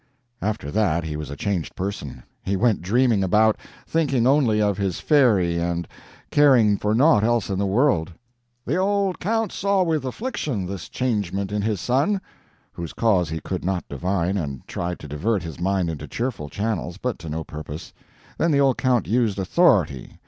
After that he was a changed person. He went dreaming about, thinking only of his fairy and caring for naught else in the world. "The old count saw with affliction this changement in his son," whose cause he could not divine, and tried to divert his mind into cheerful channels, but to no purpose. Then the old count used authority.